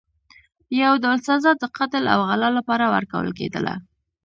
یو ډول سزا د قتل او غلا لپاره ورکول کېدله.